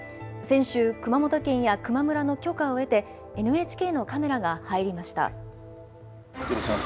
先週、熊本県や球磨村の許可を得て、ＮＨＫのカメラが入りました。